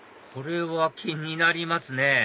これは気になりますね